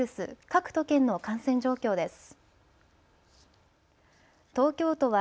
各都県の感染状況です。